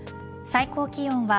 最高気温は